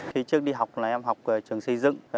khi trước đi học là em học trường xây dựng